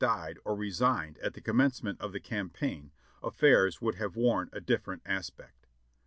died or resigned at the commencement of the cam paign, aff£ rs world have worn a different aspect.